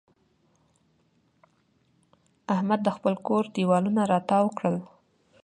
احمد د خپل کور دېوالونه را تاوو کړل.